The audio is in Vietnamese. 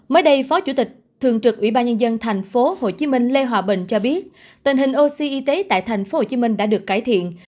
mới đây phó chủ tịch thường trực ủy ban nhân dân tp hcm lê hòa bình cho biết tình hình oxy y tế tại tp hcm đã được cải thiện